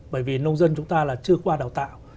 bởi vì nông dân chúng ta là chưa qua đào tạo